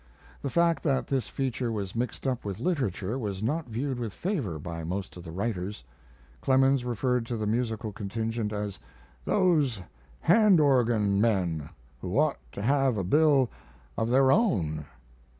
The fact that this feature was mixed up with literature was not viewed with favor by most of the writers. Clemens referred to the musical contingent as "those hand organ men who ought to have a bill of their own."